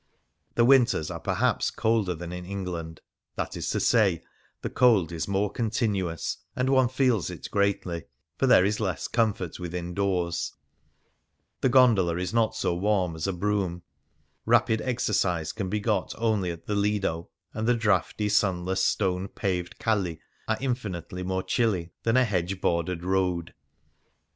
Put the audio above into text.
The winters are perhaps colder than in Eng land — that is to say, the cold is more continuous, and one feels it greatly, for there is less comfort within doors ; the gondola is not so warm as a brougham ; rapid exercise can be got only at the Lido ; and the draughty, sunless, stone paved calli are infinitely more chilly than a hedge bordered road.